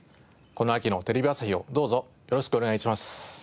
この秋のテレビ朝日をどうぞよろしくお願いします。